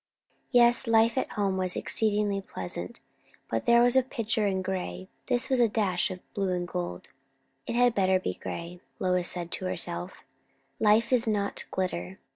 Yes, life at home was exceedingly pleasant, but it was a picture in grey; this was a dash of blue and gold. It had better be grey, Lois said to herself; life is not glitter.